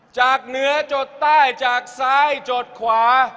จากเหนือจดใต้จากซ้ายจดขวา